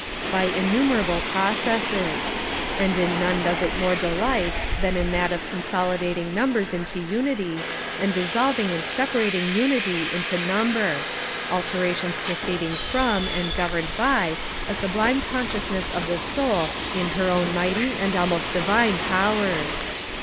By innumerable processes; and in none does it more delight than in that of consolidating numbers into unity, and dissolving and separating unity into number, alternations proceeding from, and governed by, a sublime consciousness of the soul in her own mighty and almost divine powers.